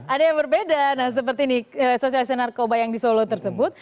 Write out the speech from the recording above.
ada yang berbeda nah seperti ini sosialisasi narkoba yang di solo tersebut